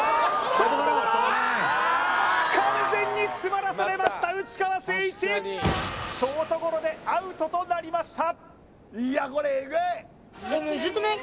ショートゴロ完全に詰まらされました内川聖一ショートゴロでアウトとなりました